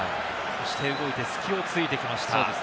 動いて隙をついてきました。